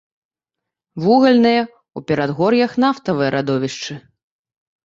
Вугальныя, у перадгор'ях нафтавыя радовішчы.